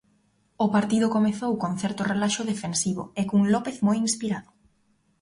O partido comezou con certo relaxo defensivo, e cun López moi inspirado.